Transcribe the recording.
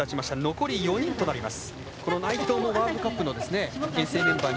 残り４人となります。